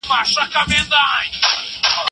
تاسو باید خپل غوښتنلیک په رسمي بڼه ولیکئ.